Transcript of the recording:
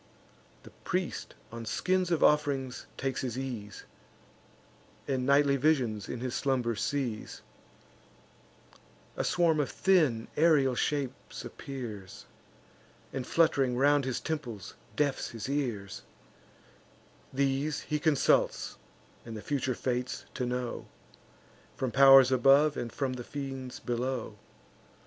The priest on skins of off'rings takes his ease, And nightly visions in his slumber sees; A swarm of thin aerial shapes appears, And, flutt'ring round his temples, deafs his ears: These he consults, the future fates to know, From pow'rs above, and from the fiends below.